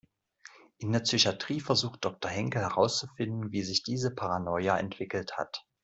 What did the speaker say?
In der Psychatrie versucht Doktor Henkel herauszufinden, wie sich diese Paranoia entwickelt hat.